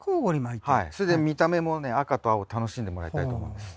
それで見た目もね赤と青を楽しんでもらいたいと思うんです。